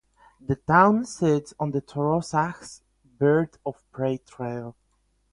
The town sits on the Trossachs Bird of Prey Trail.